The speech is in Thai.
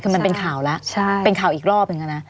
คือมันเป็นข่าวแล้วเป็นข่าวอีกรอบหนึ่งแล้วนะ